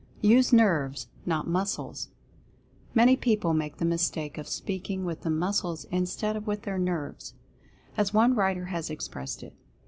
USE NERVES, NOT 'MUSCLES. Many people make the mistake of "speaking with the muscles instead of with their nerves," as one writer has expressed it.